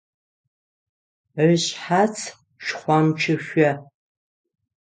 Ышъхьац шхъомчышъо.